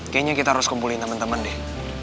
kayaknya kita harus kumpulin temen temen deh